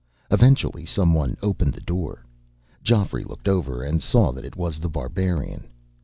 Eventually, someone opened the door. Geoffrey looked over, and saw that it was The Barbarian.